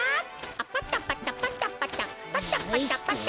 パタパタパタパタパタパタパタ。